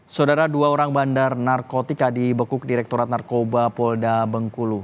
saudara dua orang bandar narkotika di bekuk direkturat narkoba polda bengkulu